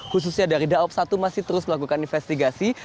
khususnya dari daob satu masih terus melakukan investigasi